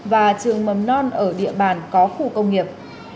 và trường mầm non ở địa bàn có khu công nghiệp